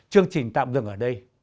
chương trình tạm dừng ở đây